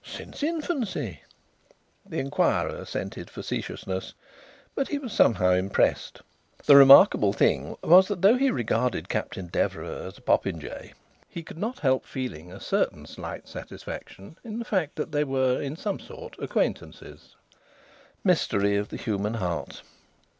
Since infancy." The inquirer scented facetiousness, but he was somehow impressed. The remarkable thing was that though he regarded Captain Deverax as a popinjay, he could not help feeling a certain slight satisfaction in the fact that they were in some sort acquaintances.... Mystery of the human heart!...